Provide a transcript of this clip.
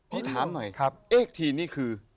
พี่ถามหน่อยเอ๊ะทีนนี่คือ